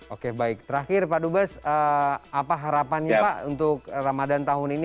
oke baik terakhir pak dubes apa harapannya pak untuk ramadan tahun ini